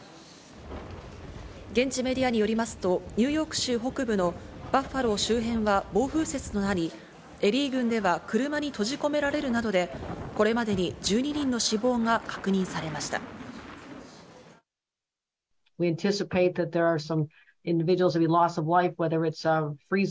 現地メディアによりますとニューヨーク州北部のバッファロー周辺は暴風雪となり、エリー郡では車に閉じ込められるなどでこれまでに１２人の死亡が確認されました。